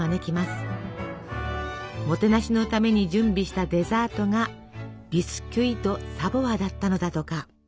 もてなしのために準備したデザートがビスキュイ・ド・サヴォワだったのだとか。